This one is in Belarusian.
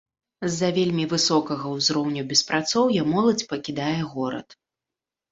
З-за вельмі высокага ўзроўню беспрацоўя моладзь пакідае горад.